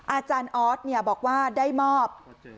อาจารย์ออสบอกว่าได้มอบ